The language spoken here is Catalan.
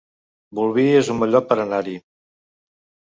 Bolvir es un bon lloc per anar-hi